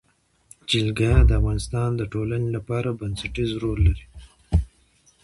جلګه د افغانستان د ټولنې لپاره بنسټيز رول لري.